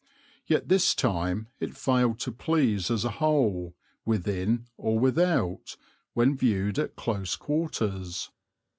Yet this time it failed to please as a whole, within or without, when viewed at close quarters.